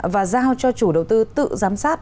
và giao cho chủ đầu tư tự giám sát